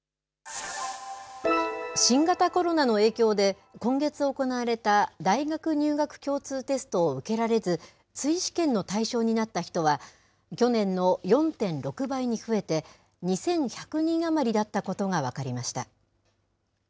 新型コロナの影響で、今月行われた大学入学共通テストを受けられず、追試験の対象になった人は、去年の４．６倍に増えて、２１００人余りだったことが分かりました。